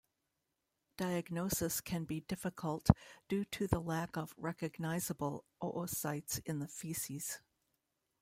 Diagnosis can be difficult due to the lack of recognizable oocysts in the feces.